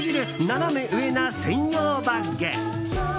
ナナメ上な専用バッグ。